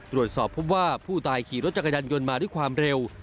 ตรวจสอบพบว่าผู้ตายขี่รถจักรยานยนต์มาด้วยความเร็ว